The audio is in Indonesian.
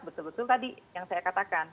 betul betul tadi yang saya katakan